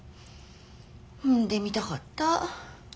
産んでみたかった。